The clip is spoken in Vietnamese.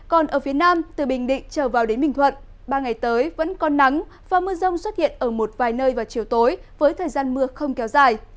còn ở phía nam từ bình định trở vào đến bình thuận ba ngày tới vẫn còn nắng và mưa rông xuất hiện ở một vài nơi vào chiều tối với thời gian mưa không kéo dài